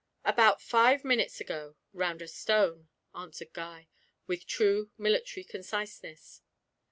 'About five minutes ago. Round a stone,' answered Guy, with true military conciseness.